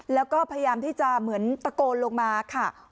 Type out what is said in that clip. แล้วก็พยายามที่จะเหมือนตะโกนลงมาค่ะ